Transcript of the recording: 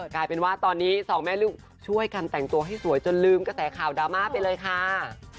กลายเป็นว่าตอนนี้สองแม่ลูกช่วยกันแต่งตัวให้สวยจนลืมกระแสข่าวดราม่าไปเลยค่ะ